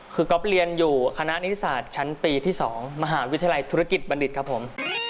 คือก๊อฟเรียนอยู่คณะนิติศาสตร์ชั้นปีที่๒มหาวิทยาลัยธุรกิจบัณฑิตครับผม